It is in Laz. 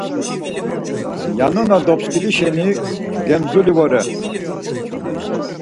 Yano na dobskidi şeni gemzuli vore.